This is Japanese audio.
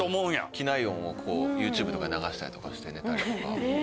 機内音をＹｏｕＴｕｂｅとかで流したりとかして寝たりとか。